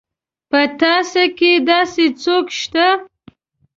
په تاسي کې داسې څوک شته.